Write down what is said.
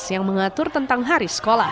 yang mengatur tentang hari sekolah